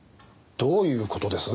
どういう事です？